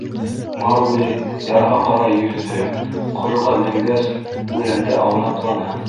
Маугли ярға ҡарай йөҙҙө, ҡороға менгәс, үләндә аунаҡланы.